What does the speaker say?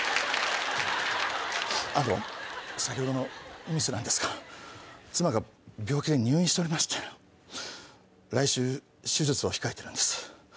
先ほどのミスなんですが妻が病気で入院しておりまして来週手術を控えてるんです。